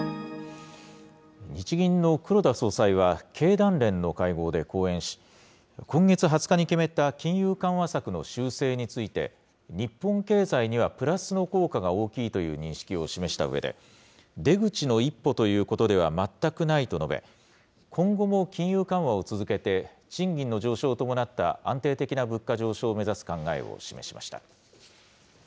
日銀の黒田総裁は、経団連の会合で講演し、今月２０日に決めた金融緩和策の修正について、日本経済にはプラスの効果が大きいという認識を示したうえで、出口の一歩ということでは全くないと述べ、今後も金融緩和を続けて、賃金の上昇を伴った安定的な物価上昇を目指す考えを示しました。